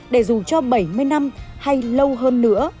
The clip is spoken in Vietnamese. để dù cho bảy mươi năm hay lâu hơn nữa